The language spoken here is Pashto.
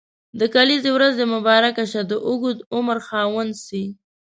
د کلیزي ورځ دي مبارک شه د اوږد عمر خاوند سي.